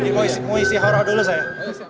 jadi mau isi horor dulu saya